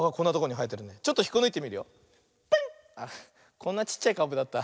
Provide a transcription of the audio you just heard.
こんなちっちゃいかぶだった。